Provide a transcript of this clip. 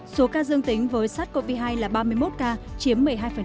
số ca dương tính với sars cov hai là ba mươi một ca chiếm một mươi hai